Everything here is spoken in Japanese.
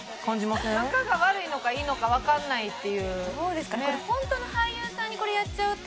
仲が悪いのかいいのかわからないっていう。